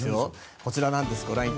こちらなんです。